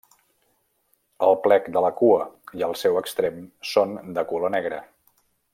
El plec de la cua i el seu extrem són de color negre.